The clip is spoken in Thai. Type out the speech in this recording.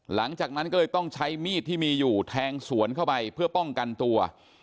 หลังจากนั้นก็เลยต้องใช้มีดที่มีอยู่แทงสวนเข้าไปเพื่อป้องกันตัว